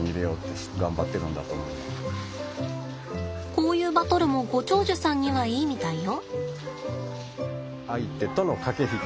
こういうバトルもご長寿さんにはいいみたいよ。